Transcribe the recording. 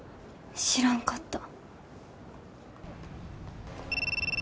知らんかった。